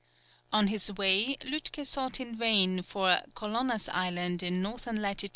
On his way Lütke sought in vain for Colonnas Island in N. lat.